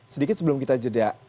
sedikit sebelum kita jeda